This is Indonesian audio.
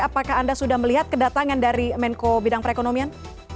apakah anda sudah melihat kedatangan dari menko bidang perekonomian